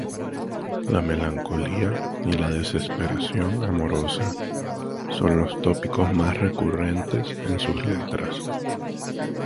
La melancolía y la desesperación amorosa son los tópicos más recurrentes en sus letras.